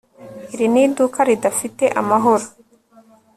iri ni iduka ridafite amahoro